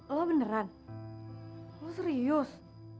lo beneran lo serius